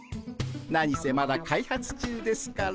何せまだ開発中ですから。